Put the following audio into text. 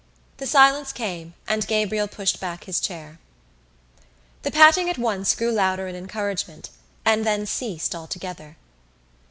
The silence came and Gabriel pushed back his chair. The patting at once grew louder in encouragement and then ceased altogether.